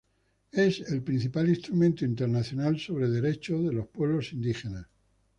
Es el principal instrumento internacional sobre derechos de los pueblos indígenas.